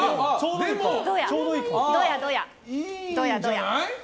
どやどや？